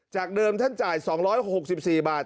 จากเดิมท่านจ่าย๒๖๔บาท